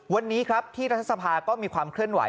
วันนี้ครับที่รัฐสภาก็มีความเคลื่อนไห